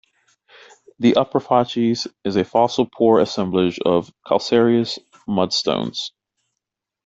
The upper facies is a fossil poor assemblage of calcareous mudstones.